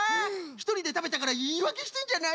ひとりでたべたからいいわけしてんじゃないの？